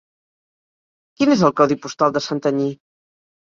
Quin és el codi postal de Santanyí?